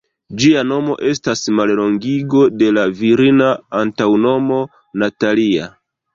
Ĝia nomo estas mallongigo de la virina antaŭnomo "Natalia".